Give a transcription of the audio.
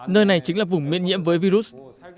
nơi này chính là vùng miễn nhiễm với virus